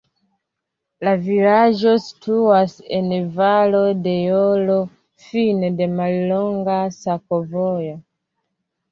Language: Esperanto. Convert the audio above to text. La vilaĝo situas en valo de rojo, fine de mallonga sakovojo.